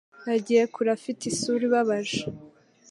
Yagiye kure afite isura ibabaje.